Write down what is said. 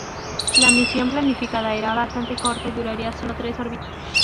La misión planificada era bastante corta y duraría sólo tres órbitas.